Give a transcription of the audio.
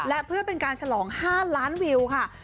และเพื่อเป็นการฉลอง๕ล้านวิวค่ะ